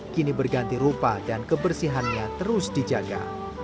kini berganti rupa dan kebersihannya terus dijaga